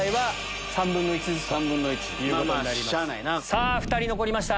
さぁ２人残りました。